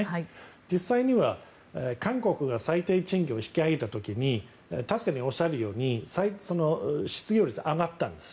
実際には韓国が最低賃金を引き上げた時に確かにおっしゃるように失業率が上がったんです。